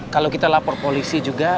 kalau kita lapor polisi juga